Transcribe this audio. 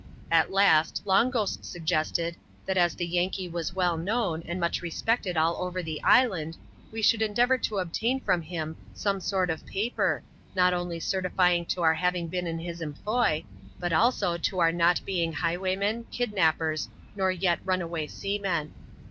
At last. Long Ghost suggested, that as the Yankee was well known, and much respected all over the island, we should endeavour to obtain from him some sort of paper, not only certifying to our having been in his employ, but also to our not being highwaymen, kidnappers, nor yet rimaway seamen.